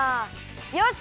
よし！